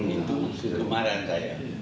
itu kemarin saya